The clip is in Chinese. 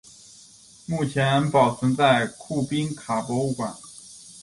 目前保存在库宾卡博物馆。